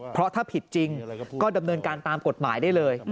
เพราะถ้าผิดจริงก็ดำเนินการตามกฎหมายได้เลย